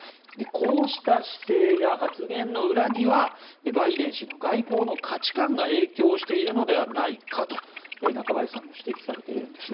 こうした姿勢や発言の裏にはバイデン氏の外交の価値観が影響しているのではないかと中林さんは指摘されているんです。